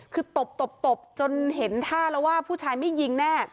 คือตบตบจนเห็นท่าแล้วว่าผู้ชายไม่ยิงแน่